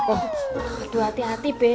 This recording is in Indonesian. aduh hati hati be